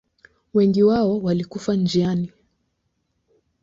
Wengi wao walikufa njiani.